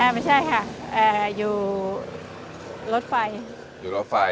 ไม่ใช่ค่ะอยู่รถไฟ